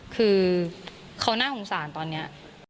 คือเขาน่าสงสารตอนนี้